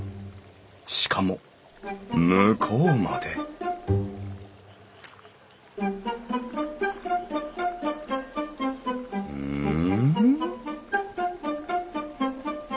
しかも向こうまでうん？